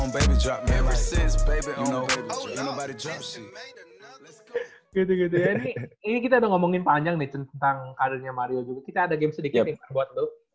gitu gitu ya ini kita udah ngomongin panjang nih tentang karirnya mario juga kita ada game sedikit nih buat lu